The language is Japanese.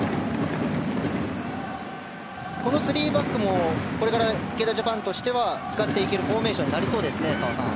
この３バックもこれから池田ジャパンとして使っていけるフォーメーションになりそうですね澤さん。